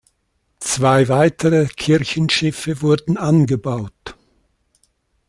Zwei weitere Kirchenschiffe wurden angebaut.